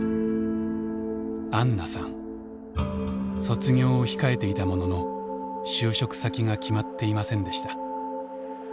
卒業を控えていたものの就職先が決まっていませんでした。